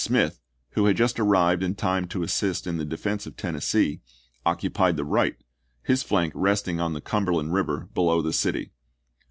Smith, who had just arrived in time to assist in the defense of Tennessee, occu pied the right, his flank resting on the Cumberland River below the city.